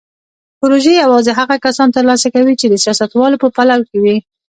پروژې یوازې هغه کسان ترلاسه کوي چې د سیاستوالو په پلو کې وي.